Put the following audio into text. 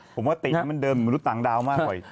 ผมว่าตินี้มันเดิมมนุษย์ต่างดาวมากกว่า